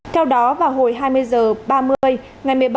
theo đó vào hồi hai mươi h ba mươi ngày một mươi ba h ba mươi